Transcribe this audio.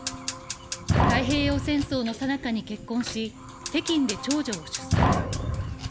太平洋戦争のさなかに結婚し、北京で長女を出産。